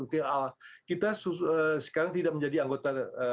kita sekarang tidak menjadi anggota